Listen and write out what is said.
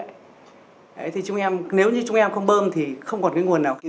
thế thì chúng em nếu như chúng em không bơm thì không còn cái nguồn nào